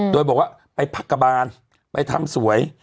โดยบอกว่าไปพักกระบานไปทำสวย